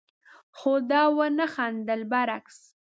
خو ده ونه خندل، برعکس،